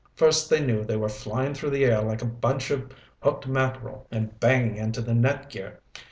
First they knew they were flying through the air like a bunch of hooked mackerel and banging into the net gear.